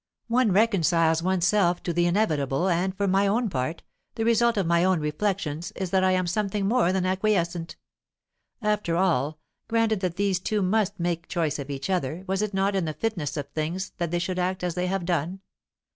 "One reconciles one's self to the inevitable, and, for my own part, the result of my own reflections is that I am something more than acquiescent. After all, granted that these two must make choice of each other, was it not in the fitness of things that they should act as they have done?